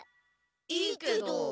いいけど。